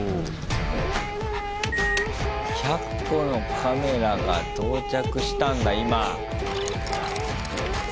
１００個のカメラが到着したんだ今。